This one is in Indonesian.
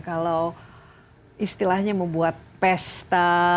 kalau istilahnya membuat pesta